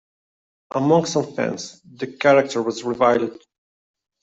Among some fans, the character was reviled.